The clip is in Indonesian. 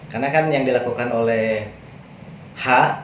karena kan yang dilakukan oleh h